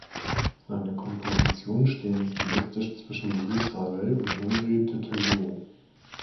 Seine Kompositionen stehen stilistisch zwischen Maurice Ravel und Henri Dutilleux.